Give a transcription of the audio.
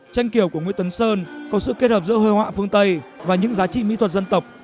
tranh kiều của nguyễn tuấn sơn có sự kết hợp giữa hơi họa phương tây và những giá trị mỹ thuật dân tộc